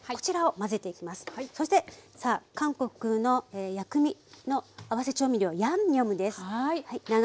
そしてさあ韓国の薬味の合わせ調味量ヤンニョムです。